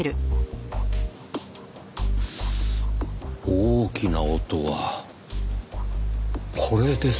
大きな音はこれですか。